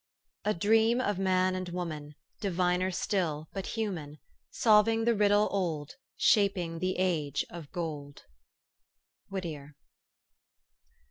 A dream of man and woman, Diviner still, but human; Solving the riddle old, Shaping the age of gold." WHITTIEB.